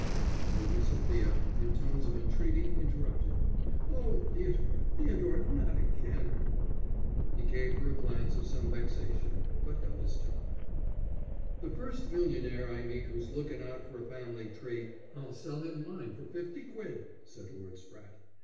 But Lady Sophia, in tones of entreaty, interrupted: "Oh, Theodore, Theodore, not again!" He gave her a glance of some vexation, but held his tongue. "The first millionaire I meet who's lookin' out for a family tree, I'll sell him mine for fifty quid," said Lord Spratte.